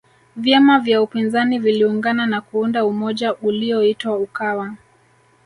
vyama vya upinzani viliungana na kuunda umoja uliyoitwa ukawa